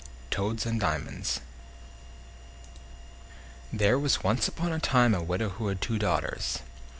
TOADS AND DIAMONDS THERE was once upon a time a widow who had two daughters.